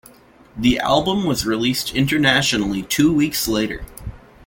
The album was released internationally two weeks later.